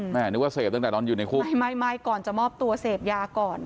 นึกว่าเสพตั้งแต่ตอนอยู่ในคุกไม่ไม่ก่อนจะมอบตัวเสพยาก่อน